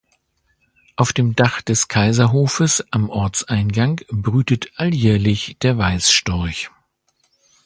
Auf dem Dach des Kaiserhofes am Ortseingang brütet alljährlich der Weißstorch.